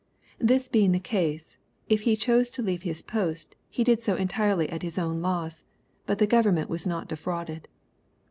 This being the case, if he chose to leave his post, he did so entirely at his own loss, but the government was not defrauded.